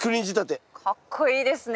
かっこいいですね。